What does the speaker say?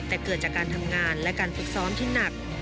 แต่เกิดจากการทำงานและการฝึกซ้อมที่หนัก